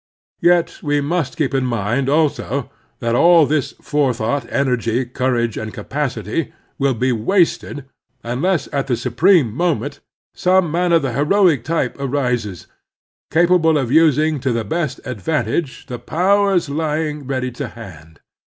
Yet we must keep in mind also that all this fore thought, energy, courage, and capacity will be wasted unless at the supreme moment some man of the heroic type arises capable of using to the best advantage the powers lying ready to hand.